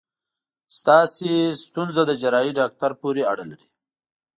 ستاسو ستونزه د جراحي داکټر پورې اړه لري.